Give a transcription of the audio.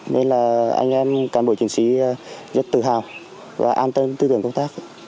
nên là anh em cán bộ chiến sĩ rất tự hào và an tâm tư tưởng công tác